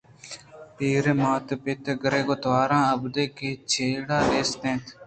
پیریں ماتءُپت ءِ گُرّگ ءِ تواراں ابید دگہ چڑّکہ نیست اَت